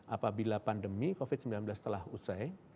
apabila pandemi covid sembilan belas telah usai